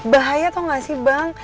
bahaya tau gak sih bang